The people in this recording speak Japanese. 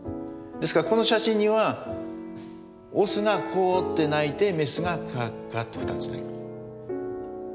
ですからこの写真にはオスが「コウ」って鳴いてメスが「カッカッ」と２つ鳴いてる。